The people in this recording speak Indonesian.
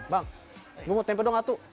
bang gue mau tempel dong atu